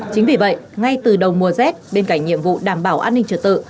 chính vì vậy ngay từ đầu mùa rét bên cạnh nhiệm vụ đảm bảo an ninh trật tự